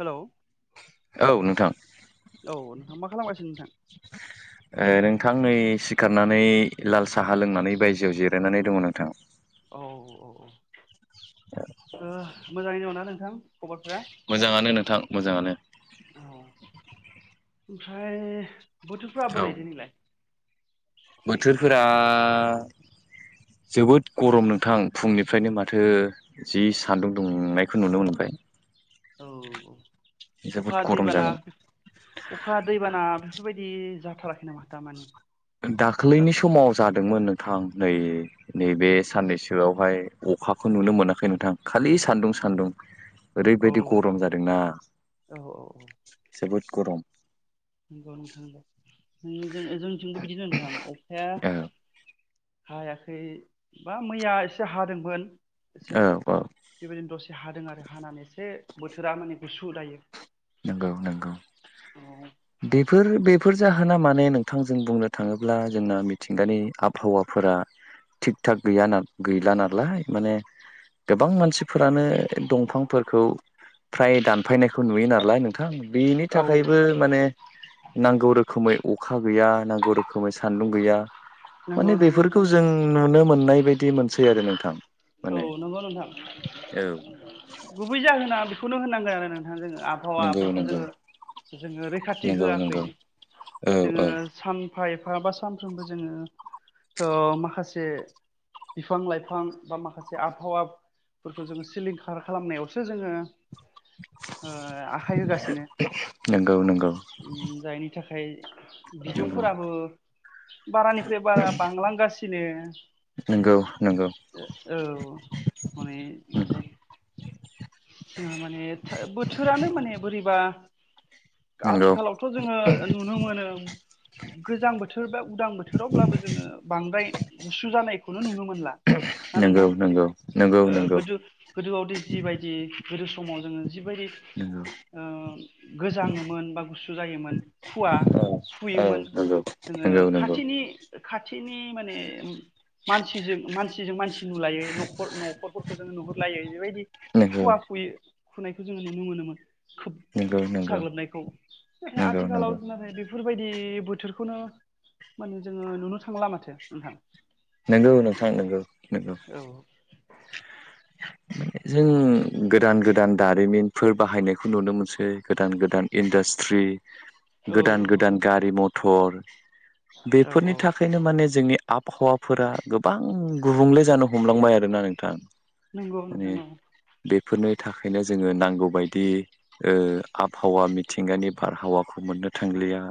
Hello औ नोंथां औ नोंथां मा खालामगासिनो नोंथां? ओ नोंथां आं नै सिखारनानै लाल साहा लोंनानै बायजोआव जिरायनानै दङ नोंथां। औ औ औ ओ मोजाङै दङ ना नोंथां खबरफ्रा? मोजाङानो नोंथां मोजाङानो। औ ओमफ्राय बोथोरफ्रा औ बोरै दिनैलाय? बोथोरफोरा जोबोद गरम नोंथां फुंनिफ्रायनो माथो जि सान्दुं दुंनायखौ नुनो मोन बाय। औ औ। अखा गरम दैबाना जागोन अखा दैबाना बेफोरबायदि जा थाराखै नामा दामानि? दाख्लैनि औ समाव जादोंमोन नोंथां नै नैबे साननैसोआवहाय अखाखौ नुनो मोनाखै नोंथां। खालि सान्दुं सान्दुं औ ओरैबायदि गरम जादोंना। औ औ जोबोद गरम। उम जों ओ जोंनिथिंबो बिदिनो नोंथां। अखाया औ हायाखै बा मैया एसे हादोंमोन। औ एसे औ बेबायदिनो दसे हादों आरो हानानै एसे बोथोरा माने गुसु दायो। नोंगौ नोंगौ। औ बेफोर बेफोर जाहोना माने नोंथां जों बुंनो थाङोब्ला जोंना मिथिंगानि आबहावाफोरा थिग थाक गैया ना गैला नालाय माने। गोबां मानसिफोरानो दंफांफोरखौ फ्राय दानफायनायखौ नुयो ना लाय नोंथां बेनि औ थाखायबो माने नांगौ रोखोमै अखा गैया। नांगौ रोखोमै सान्दुं गैया। नंगौ माने नंगौ बेफोरखौ जों नुनो मोननाय बायदि मोनसै आरो नोंथां। औ माने नंगौ नोंथां। औ गुबै जाहोना बेखौनो होननांगोन आरो नों थां जोङो नंगौ आबहावाफोरखौ नंगौ जोङो जोङो रैखाथि नंगौ होआखै। नंगौ औ जोङो औ सानफा एफ फा बा सानफ्रोमबो जोङो ओ माखासे बिफां लाइफां बा माखासे आबहावाफोरखौ जोङो सिलिंखार खालामनायावसो जोङो ओ आखाइ होगासिनो। नंगौ नंगौ उम जायनि थाखाय फाय नंगौ बिदुंफोराबो बारानिफ्राय बारा बांलांगासिनो। नंगौ नंगौ। ओ औ हनै नाथाय। जोंहा माने था बोथोरानो माने बोरैबा नंगौ आथिखालावथ' जोङो नुनो मोनो। गोजां बोथोर बा उदां बोथोरावब्लाबो जोङो बांद्राय गुसु जानायखौनो नुनो मोनला। ना नंगौ नोंथां नंगौ नंगौ ओ नंगौ गोदो गोदोआवदि जिबायदि गोदो समाव जोङो जिबायदि नंगौ ओ गोजाङोमोन बा गुसु जायोमोन खुवा औ खुयोमोन। जोङो नंगौ नंगौ खाथिनि खाथिनि माने मानसिजों मानसि मानसि नुलायै नखर नखरफोरखौ जों नुहुरलायै बेबायदि नंगौ खुवा खुयो। खुनायखौ जोङो नुनो मोनोमोन खोब नंगौ नंगौ नंगौ साग्लोबनायखौ। नाथाय नंगौ आथिखालाव नंगौ बेबादि बेफोरबायदि बोथोरखौनो माने जोङो नुनो थांला माथो नोंथां नंगौ नोंथां नंगौ नंगौ। औ जों गोदान गोदान दारिमिनफोर बाहायनायखौ नुनो मोनसै गोदान गोदान इन्दा सट्रि औ गोदान गोदान गारि मथर औ औ बेफोरनि थाखायनो माने जोंनि आबहावाफोरा गोबां गुबुंले जानो हमलांबाय आरोना नोंथां नंगौ ओम नोंथां औ बेफोरनि थाखाय दा जों नांगौ बायदि ओ आबहावा मिथिंगानि बारहावाखौ मोननो थांलिया।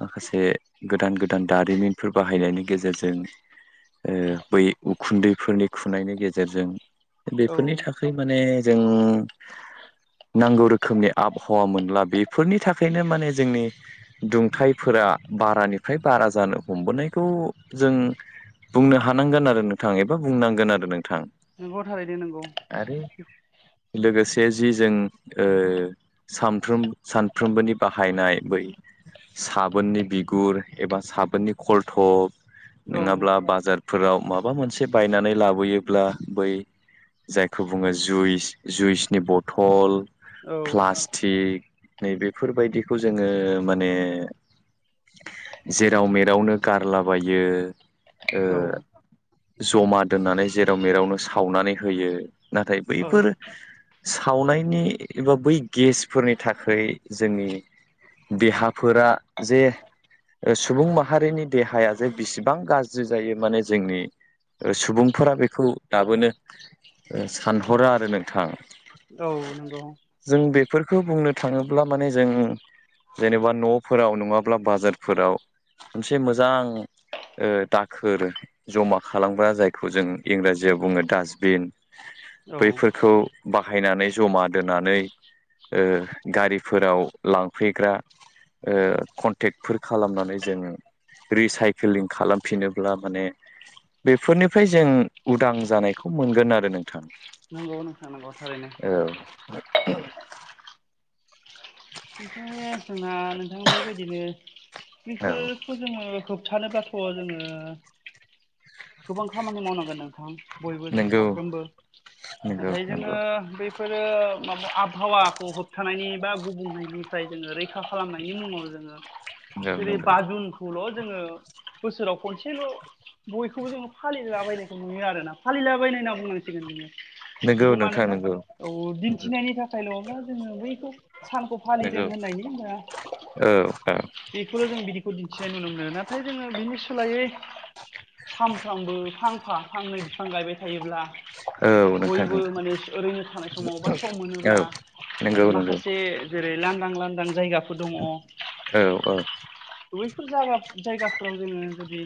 माखासे गोदान गोदान दारिमिनफोर बाहायनायनि गेजेरजों ओ बै उखुन्दैफोरनि खुनायनि गेजेरजों औ बेफोरनि थाखाय माने जों नांगौ रोखोमनि आबहावा मोनला। बेफोरनि थाखायनो माने जोंनि दुंथाइफोरा दा बारानिफ्राय बारा जानो हमबोनायखौ जों बुंनो हानांगोन आरो नोंथाङा एबा बुंनांगोन आरो नों नंगौ थारैनो नंगौ। लोगोसे जि जों ओ सानफ्रोम सानफ्रोमबोनि बाहायनाय बै साबोननि बिगुर एबा साबोननि खलथब औ नङाब्ला बाजार फोराव माबा मोनसे बायनानै लाबोयोब्ला बै जायखौ बुङो जुइस जुइसनि बथल औ प्लास्टिक नै बेेफोरबायदिखौ जोङो माने जेराव मेेरावनो गारलाबायो ओ औ जमा दोननानै जेराव मेरावनो सावनानै होयो। नाथाय औ बैफोर सावनायनि एबा बै गेसफोरनि थाखाय जोंनि देहाफोरा जे सुबुं माहारिनि देहाया जे बिसे बां गाज्रि जायो माने जोंनि सुबुंफोरा बेखौ दाबोनो सानहरो आरो नोंथां। औ नंगौ। जों बेफोरखौ बुंनो थाङोब्ला माने जों जेनेबा न'फोराव नङाब्ला बाजारफोराव मोनसे मोजां ओ दाखोर जमा खालामग्रा जायखौ जों इंराजियाव बुङो डासटबिन औ बैफोरखौ बाहायनानै जमा दोनानै ओ गारिफोराव लांफैग्रा कनटेक्टफोर खालामनानै जोङो रिसाइक्लिं खालामफिनोब्ला माने बेफोरनिफ्राय जों उदां जानायखौ मोनगोन आरो नोंथां। नंगौ नोंथां नांगौ थारैनो। औ बेखायनो जोंना नोंथां बेबायदिनो औ बेफोरखौ जोङो होब होबथानोबाथ' जोङो गोबां खामानि मावनांगोन नोंथां बयबो जों नंगौ साफ्रोमबो नंगौ नाथाय जोङो नंगौ बैफोरो माबा आबहावाखौ होबथानायनि बार गुबुंनिफ्राय जोङो रैखा खालामनायनि मुङाव जोङो नंगौ जेरै नंगौ बाजुन खौल' जोङो बोसोराव खनसेल' बयखौबो जोङो फालिलाबायनायखौ नुयो आरोना फालिलाबायनो होनना बुंनांसिगोन नोङो नंगौ बेखौ नोंथां मानोना नंगौ औ दिन्थिनायनि थाखाय नङाबा जोङो बैखौ सानखौ फालिदों नंगौ होननायनि होनोमबा औ औ बेखौल' जों बिदिखौ दिन्थिनाय नुनो मोनो नाथाय जोङो बिनि सोलायै सानफ्रामबो फांफा फांनै बिफां गायबाय थायोब्ला औ नोंथां बयबो नोंथां माने ओरैनो थानाय समाव बा सम औ मोनोब्ला आरो नंगौ नंगौ माखासे जेरै लांदां लांदां जायगाफोर दङ औ औ बैफोर जा जायगाफोराव जोङो जुदि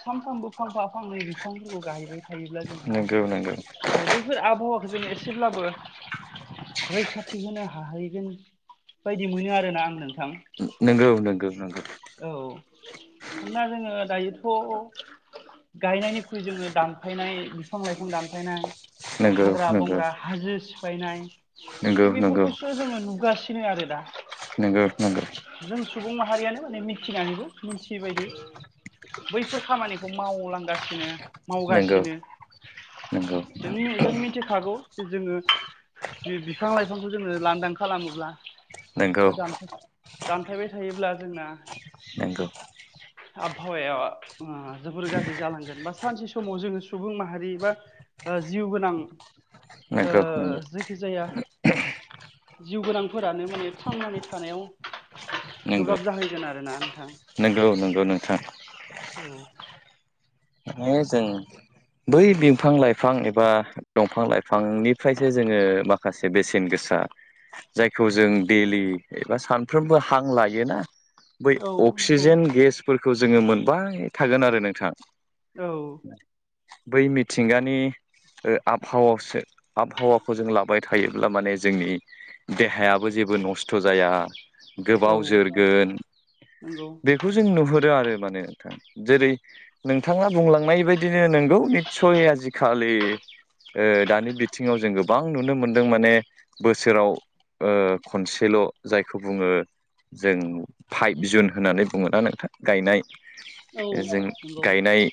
सानफ्रामबो फरफा बिफांनै बिफांफोरखौ गाहैबाय थायोब्ला जोंहा नंगौ नंगौ औ बैफोर आबहावाखौ जोङो एसेब्लाबो रैखाथि होनो हाहैगोन बायदि मोनो आरोना आं नों नोंगौ नोंगौ नोंगौ औ होमबा जोङो दायोथ' गायनायनिखुइ जोङो दानफायनाय बिफां लाइफां दानफायनाय नंगौ हाग्रा नंगौ बंग्रा हाजो नंगौ सिफायनाय नंगौ बेफोरखौसो जोङो नुगासिनो थनो आरो दा नंगौ नंगौ नंगौ जों सुबुं माहारियानो माने मिथिनानैबो मिथियैबायदि बैफोर खामानिखौ मावलांगासिनो मावगासिनो नंगौ नंगौ जों जों मिथिखागौ जे जोङो बे बिफां लाइफांखौ जोङो लांदां खालामोब्ला नंगौ बा दानफ दानफायबाय थायोब्ला जोंना नोंगौ आबहावाया जोबोर गाज्रि जालांगोन बा सानसे समाव जोङो सुबुं माहारि बा जिउ गोनां नंगौ जायखि जाया जिउ गोनांफोरानो माने थांनानै थानायाव गोब्राब जाहैगोन आरो नंगौ नंगौ नोंथां नोंथां औ ए जों बै बिफां लाइफां एबा दंफां लाइफांनिफ्रायसो जोङो माखासे बेसेन गोसा आ जायखौ जों देइलि एबा सानफ्रोमबो हां लायोना बै औ नंगौ अक्सिजेन गेसफोरखौ जोङो मोनबाय थागोन आरो नोंथां औ बै मिथिंगानि आबहावासो आबहावाखौ जों लाबाय थायोब्ला माने जोंनि देहायाबो जेबो नस्थ' जाया गोबाव औ जोरगोन नंगौ बेखौ जों नुहुरदों आरो माने नोंथां जेरै नों नोंथाङा बुंलांनाय बायदिनो नंगौ निस्सय आजिखालि दानि बिथिङाव जों गोबां नुनो मोनदों माने बोसोराव ओ खनसेल' जायखौ बुङो जों फाइभ जुन होननानै बुङोना नोंथां गायनाय औ जों नंगौ गायनाय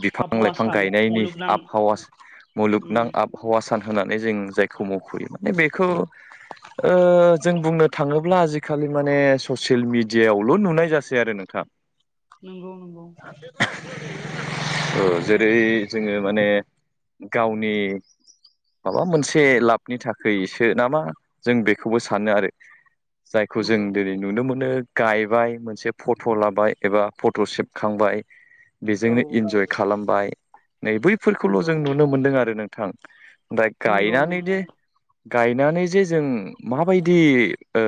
बिफां आबहावा लाइफां सान गायनायनि मुलुगनां आबहावा उम मुलुगनां आबहावा सान होनानै जों जायखौ मख'यो माने बेखौ ओ जों बुंनो थाङोब्ला आजिखालि माने ससियेल मिेडियायावल' नुनाय जासै आरो नोंथां नंगौ नंगौ औ जेरै जोङो माने गावनि माबा मोनसे लाबनि थाखायसो नामा जों बेखौबो सानो आरो। जायखौ जों नंगौ दिनै नुनो मोनो गायबाय मोनसे फट' लाबाय एबा फट' सेबखांबाय औ बेजोंनो इन्जय खालामबाय नै बैफोरखौल' नंगौ जों नुनो मोनदों आरो नों थां दा नंगौ गायना नै नंगौ दे गायनानै जे जों माबायदि ओ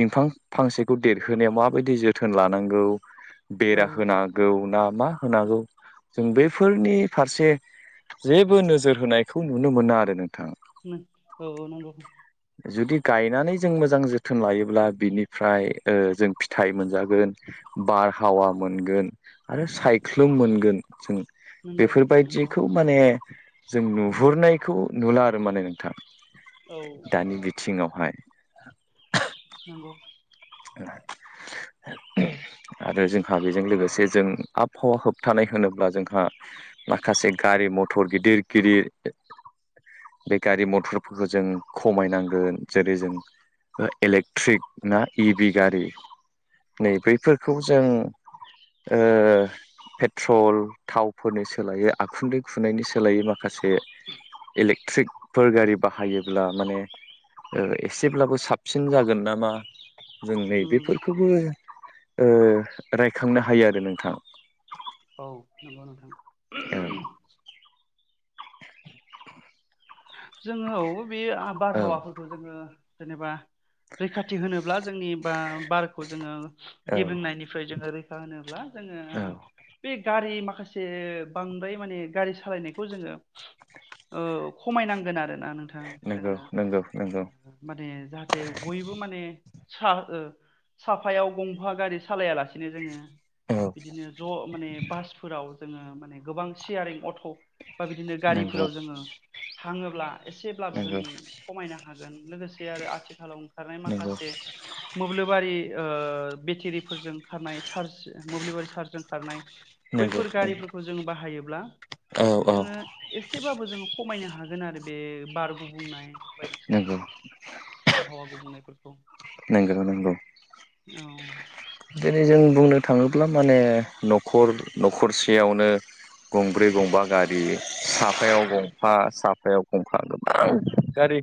बिफां फांसेखौ देरहोनायाव माबायदि जोथोन लानांगौ औ बेरा होना गौ ना मा होनांगौ जों बेफोरनि फारसे जेबो नोजोर होनायखौ नुनो मोना आरो नोंथां। नों औ औ नोंगौ। जुदि गायनानै जों मोजां जोथोन लायोब्ला बिनिफ्राय ओ जों फिथाइ मोनजागोन बारहावा मोनगोन आरो सायख्लुम मोनगोन जों नंगौ नंगौ बेफोरबायदिखौ माने जों नुहुरनायखौ नुला नो माने नोंथां औ दानि बिथिङावहाय [unintelligible] [unintelligible] [unintelligible] आरो जोंहा बेजों लोगोसे जों आबहावा होबथानाय होनोब्ला जोंहा माखासे गा रि मथर गिदिर गिदिर [inaudible] बे गारि मथरफोरखौ जों खमायनांगोन जेरै जों एलेक्ट्रिक ना इ भि गारि नै बैफोरखौ जों ओ पेट्रल थावफोरनि सोलायै आखुन्दै खुनायनि सोलायै माखासे इलेक्ट्रिकफोर गारि बाहायोब्ला माने ओ एसेब्लाबो साबसिन जागोन नामा जों नै उम बेेफोरखोबो ओ रायखांनो हायो आरो नोंथां। औ नंगौ नोंथां। औ जों औ बे औ बारहावाफोरखौ जोङो जेनेबा रैखाथि होनोब्ला जोंनि बा बारखौ जोङो औ गेबेंनायनिफ्राय जोङो रैखा होनोब्ला बा जोंओ औ बे गारि माखासे बांद्राय माने गारि सालायनायखौ जोङो ओ खमायनांगोन आरो। दा नोंथां नंगौ नंगौ नंगौ जोङो माने जाहाथे बयबो माने सा ओ साफायाव गंफा गारि सालायालासिनो जोङो औ बिदिनो ज' माने बासफोराव जोङो माने गोबां सियारिं अट' बा बिदिनो नंगौ गारिफोराव जोङो [unintelligible] एसेब्लाबो जों नंगौ खमायनो हागोन। लोगोसे आरो आथिखालाव ओंखारनाय नंगौ माखासे मोब्लिबारि ओ बिथिरि फोरजों खारनाय चार्ज मोब्लिबारि चार्जजों खारनाय नंगौ बैफोर गारिफोरखौ जों बाहायोब्ला औ औ जोङो एसेबाबो जोङो खमायनो हा बे बार गुबुंनाय नंगौ बायदिसिनाफोरखौ आबहावा गुबुंनायफोरखौ नोंगौ नोंगौ औ दिनै जों बुंनो थाङोब्ला माने न'खर न'खरसेयावनो गंब्रै गंबा गारि साफायाव गंफा साफायाव गंफा गोबां गारि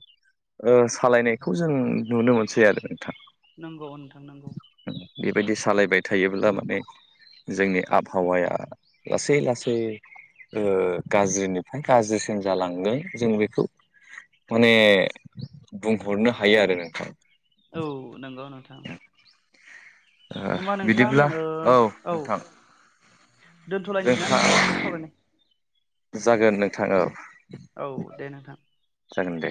ओ सालायनायखौ जों नुनो मोनसै आरो नोंथां। नंगौ नोंथां नंगौ बेबायदि सालायबाय थायोब्ला माने जोंनि आबहावाया लासै लासै ओ गाज्रिनिफ्राय गाज्रिसिन जालांगोन जों बिखौ माने बुंहरनो हायो आरो नोंथां। औ नोंगौ नोंथां। ओ होमबा नोंथां बिदिब्ला ओ औ नोंथां। दोन्थ'लायनिसैना जोंहा नोंथां सावरायनो जागोन नोंथां। औ औ दे नोंथां। जागोन दे।